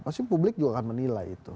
pasti publik juga akan menilai itu